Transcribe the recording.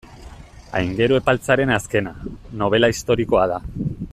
Aingeru Epaltzaren azkena, nobela historikoa da.